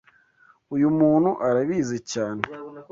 uyUmuntu arabizi cyane